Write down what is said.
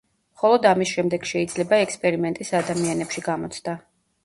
მხოლოდ ამის შემდეგ შეიძლება ექსპერიმენტის ადამიანებში გამოცდა.